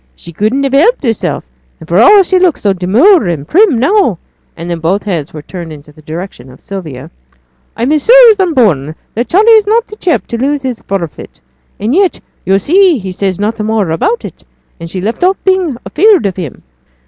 'She couldn't help hersel'; and for all she looks so demure and prim now' (and then both heads were turned in the direction of Sylvia), 'I'm as sure as I'm born that Charley is not t' chap to lose his forfeit; and yet yo' see he says nought more about it, and she's left off being 'feared of him.'